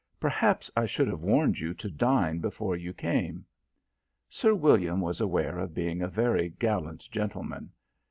"Perhaps I should have warned you to dine before you came." Sir William was aware of being a very gallant gentleman.